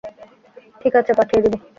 ঠিক আছ, পাঠিয়ে দিব।